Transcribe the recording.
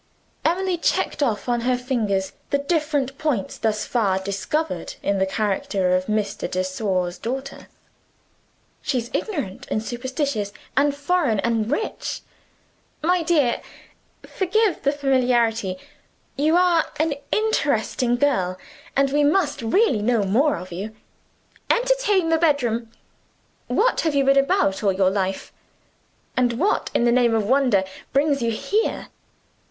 Emily checked off on her fingers the different points thus far discovered in the character of Mr. de Sor's daughter. "She's ignorant, and superstitious, and foreign, and rich. My dear (forgive the familiarity), you are an interesting girl and we must really know more of you. Entertain the bedroom. What have you been about all your life? And what in the name of wonder, brings you here?